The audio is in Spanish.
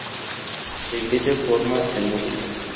La iglesia forma el núcleo.